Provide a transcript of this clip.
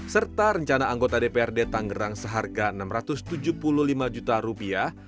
serta rencana anggota dprd tangerang seharga enam ratus tujuh puluh lima juta rupiah